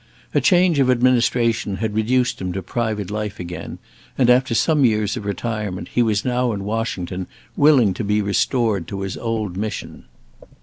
A change of administration had reduced him to private life again, and after some years of retirement he was now in Washington, willing to be restored to his old mission.